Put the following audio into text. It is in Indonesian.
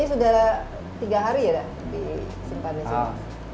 ini sudah tiga hari ya di sempat disini